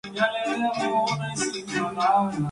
Se desempeñó como centrocampista.